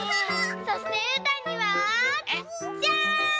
そしてうーたんにはじゃん！